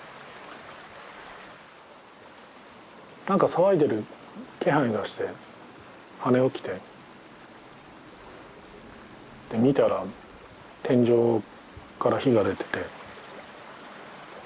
なんか騒いでる気配がして跳ね起きてで見たら天井から火が出てて。